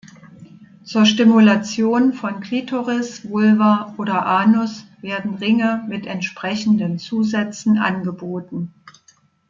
Zur Stimulation von Klitoris, Vulva oder Anus werden Ringe mit entsprechenden Zusätzen angeboten.